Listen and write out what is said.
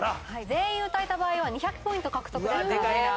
全員歌えた場合は２００ポイント獲得ですからね。